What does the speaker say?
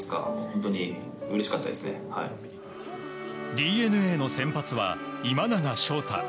ＤｅＮＡの先発は今永昇太。